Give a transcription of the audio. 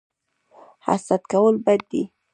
حسد کول بد دي